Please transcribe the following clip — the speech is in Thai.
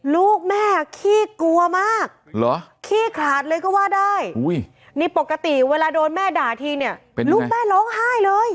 ลูกแม่ขี้กลัวมากขี้ขาดเลยก็ว่าได้นี่ปกติเวลาโดนแม่ด่าทีเนี่ยลูกแม่ร้องไห้เลย